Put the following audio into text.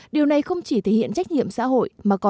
điều này không chỉ thể hiện trách nhiệm xã hội